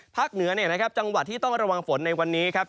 เหนือจังหวัดที่ต้องระวังฝนในวันนี้ครับ